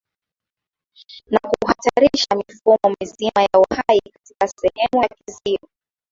na kuhatarisha mifumo mizima ya uhai katika sehemu za Kizio